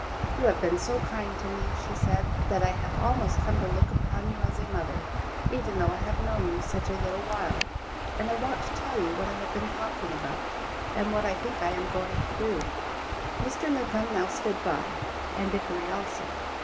"You have been so kind to me," she said, "that I have almost come to look upon you as a mother, even though I have known you such a little while, and I want to tell you what I have been talking about, and what I think I am going to do." Mr. Newcombe now stood by, and Dickory also.